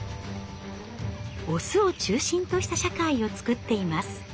オスを中心とした社会を作っています。